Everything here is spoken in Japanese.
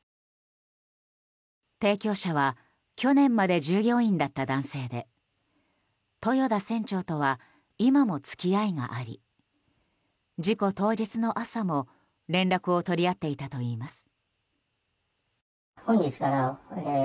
提供者は去年まで従業員だった男性で豊田船長とは今も付き合いがあり事故当日の朝も、連絡を取り合っていたといいます。